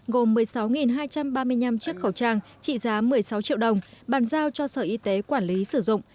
gồm một mươi sáu hai trăm ba mươi năm chiếc khẩu trang trị giá một mươi sáu triệu đồng bàn giao cho sở y tế quản lý sử dụng